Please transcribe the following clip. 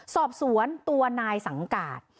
สอบสวนตัวนายสังการ